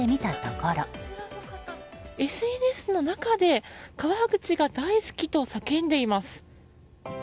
こちらの方、ＳＮＳの中で川口が大好きと叫んでいます。